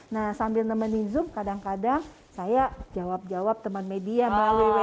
nah sambil nemenin zoom kadang kadang saya jawab jawab teman media melalui web